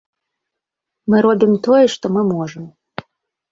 Мы робім тое, што мы можам.